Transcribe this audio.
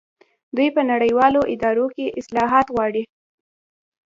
دوی په نړیوالو ادارو کې اصلاحات غواړي.